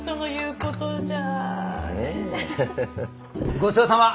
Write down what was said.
ごちそうさま！